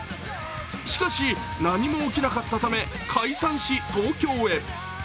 しかし何も起きなかったため解散し、東京へ。